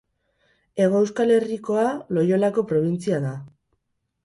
Hego Euskal Herrikoa Loiolako probintzia da.